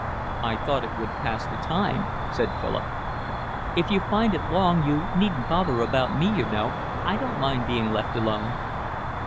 "I thought it would pass the time," said Philip. "If you find it long you needn't bother about me, you know. I don't mind being left alone."